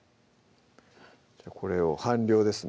これを半量ですね